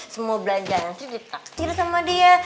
semua belanjaan yang sri ditarik sama dia